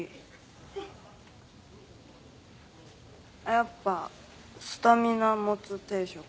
やっぱスタミナモツ定食。